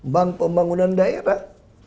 bank pembangunan daerah